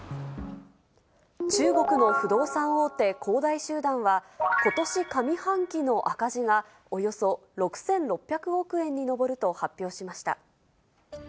中国の不動産大手、恒大集団は、ことし上半期の赤字が、およそ６６００億円に上ると発表しました。